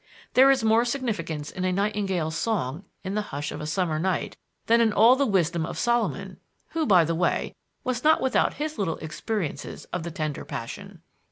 There is more significance in a nightingale's song in the hush of a summer night than in all the wisdom of Solomon (who, by the way, was not without his little experiences of the tender passion).